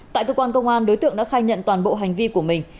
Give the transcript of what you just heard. tại cơ quan công an đối tượng đã khai nhận toàn bộ hành vi của mình